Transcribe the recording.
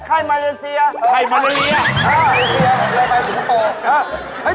อะไร